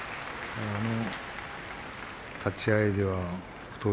立ち合いでは北勝